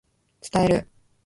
伝える